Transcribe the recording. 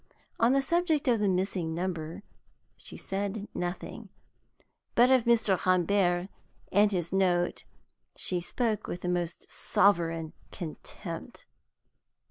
On the subject of the missing number she said nothing, but of Mr. Rambert and his note she spoke with the most sovereign contempt.